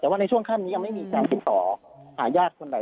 แต่ว่าในช่วงค่ำนี้ยังไม่มีการติดต่อหาญาติคนไหน